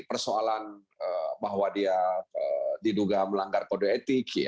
persoalan bahwa dia diduga melanggar kode etik